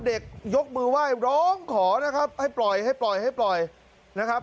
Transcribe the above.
ยกมือไหว้ร้องขอนะครับให้ปล่อยให้ปล่อยให้ปล่อยนะครับ